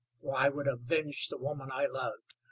For I would avenge the woman I loved.